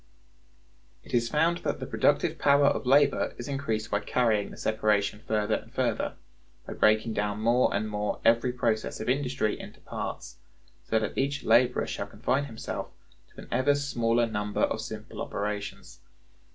It is found that the productive power of labor is increased by carrying the separation further and further; by breaking down more and more every process of industry into parts, so that each laborer shall confine himself to an ever smaller number of simple operations.